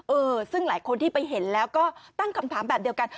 เออซึ่งหลายคนที่ไปเห็นแล้วก็ตั้งคำถามแบบเดียวกัน